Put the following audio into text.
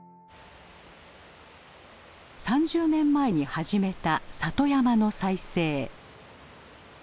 ３０年前に始めた里山の再生。